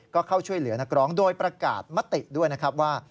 ก็เข้าช่วยเหลือนักร้องโดยประกาศมติด้วยนะครับว่า